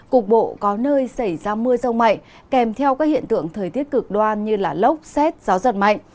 cục bộ có nơi xảy ra mưa rông mạnh kèm theo các hiện tượng thời tiết cực đoan như lốc xét gió giật mạnh